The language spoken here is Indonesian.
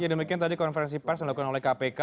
ya demikian tadi konferensi pers yang dilakukan oleh kpk